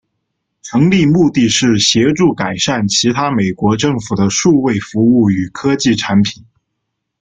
成立目的是协助改善其他美国政府的数位服务与科技产品。